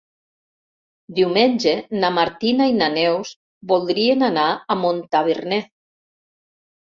Diumenge na Martina i na Neus voldrien anar a Montaverner.